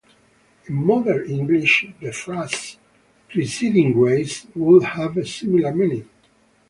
In modern English, the phrase "preceding grace" would have a similar meaning.